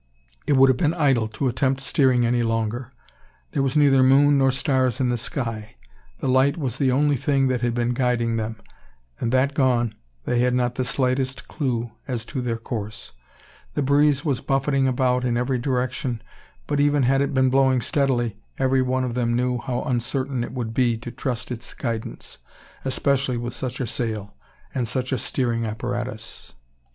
It would have been idle to attempt steering any longer. There was neither moon nor stars in the sky. The light was the only thing that had been guiding them; and that gone, they had not the slightest clue as to their course. The breeze was buffeting about in every direction; but, even had it been blowing steadily, every one of them knew how uncertain it would be to trust to its guidance, especially with such a sail, and such a steering apparatus.